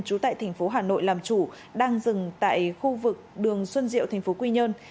trú tại tp hà nội làm chủ đang dừng tại khu vực đường xuân diệu tp quy nhơn